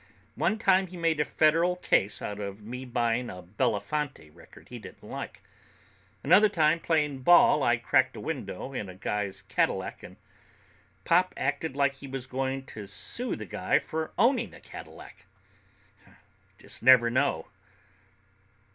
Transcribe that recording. One time he made a federal case out of me buying a Belafonte record he didn't like. Another time playing ball I cracked a window in a guy's Cadillac, and Pop acted like he was going to sue the guy for owning a Cadillac. You just never know."